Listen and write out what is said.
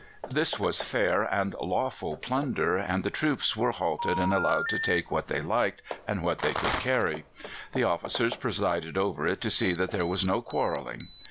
This was fair and lawful plunder, and the troops were halted and allowed to take what they liked and what they could carry. The officers presided over it to see that there was no quarrelling.